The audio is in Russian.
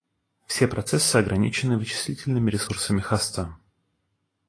Все процессы ограничены вычислительными ресурсами хоста